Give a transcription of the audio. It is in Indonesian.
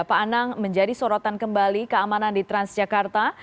pak anang menjadi sorotan kembali keamanan di transjakarta